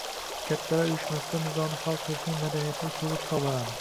Kattalar uyushmasida nizoni hal qilishning madaniyatli usuli hisoblanadi.